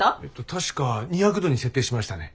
確か２００度に設定しましたね。